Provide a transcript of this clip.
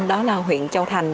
đó là huyện châu thành